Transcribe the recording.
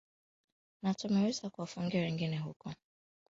natumeweza kuwafungia wengine huko waliko yaani kwenye uchanguzi wa kikabila